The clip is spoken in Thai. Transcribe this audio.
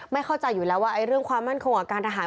เข้าใจอยู่แล้วว่าเรื่องความมั่นคงของการทหาร